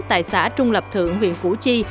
tại xã trung lập thượng huyện củ chi